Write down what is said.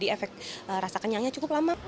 efek rasa kenyangnya cukup lama